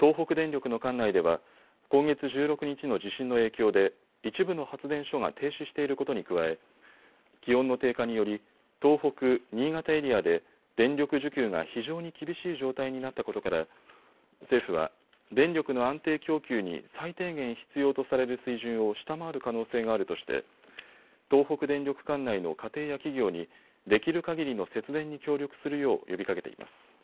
東北電力の管内では今月１６日の地震の影響で一部の発電所が停止していることに加え気温の低下により東北・新潟エリアで電力需給が非常に厳しい状態になったことから政府は電力の安定供給に最低限必要とされる水準を下回る可能性があるとして東北電力管内の家庭や企業にできるかぎりの節電に協力するよう呼びかけています。